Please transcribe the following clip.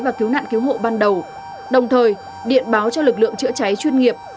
và cứu nạn cứu hộ ban đầu đồng thời điện báo cho lực lượng chữa cháy chuyên nghiệp